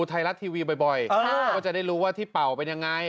ไทยรัฐทีวีบ่อยก็จะได้รู้ว่าที่เป่าเป็นยังไง